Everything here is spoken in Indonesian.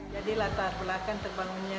jadi latar belakang terbangunnya